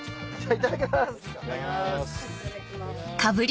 いただきます！